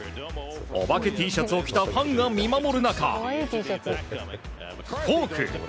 お化けＴシャツを着たファンが見守る中フォーク